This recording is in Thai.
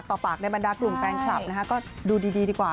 ก็เลยทำได้อย่างเดียวคือการแชร์ช่องทางของเรา